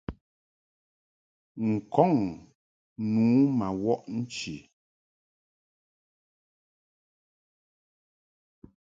N-kɔŋ nu ma wɔʼ nchi.